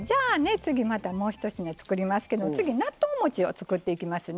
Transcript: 次またもうひと品作りますけど次納豆もちを作っていきますね。